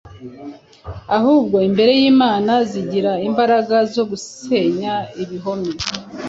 ahubwo imbere y’Imana zigira imbaraga zo gusenya ibihome